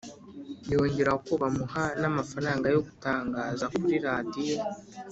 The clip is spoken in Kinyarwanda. Yongeraho ko bamuha n' amafaranga yo gutangaza kuri Radiyo